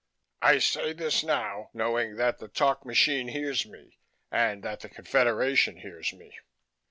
I say this now, knowing that the talk machine hears me and that the Confederation hears me.